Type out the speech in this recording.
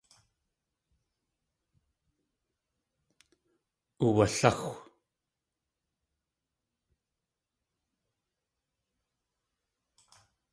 Uwaláxw.